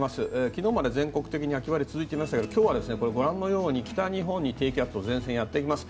昨日まで全国的に秋晴れでしたが今日はご覧のように、北日本に低気圧と前線やってきます。